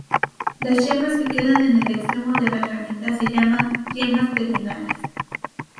Las yemas que quedan en el extremo de las ramitas se llaman yemas terminales.